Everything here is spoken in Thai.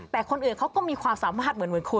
แต่คนอื่นเขาก็มีความสามารถเหมือนคุณ